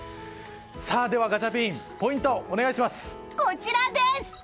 では、ガチャピンポイントをお願いします。